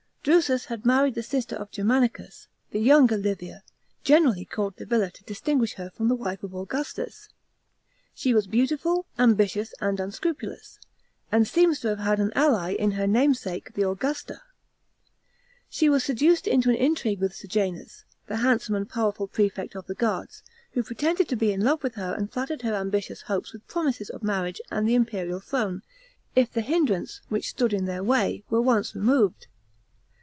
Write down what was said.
Drusus had married the sister of Germanicus, the younger Livia, generally called Livilla to dis tinguish her from the wife of Augustus. She was beautiful, ambitious, and unscrupulous, and seems to have had an ally in her namesake, the Augusta. She was seduced into an intrigue with Sejanus, the handsome and powerful prefect of the guards, who pretended to be in love with her and flattered her ambitious hopes with promises of marriage and the imperial throne, if the hindrance, which stood in their way, were once removed.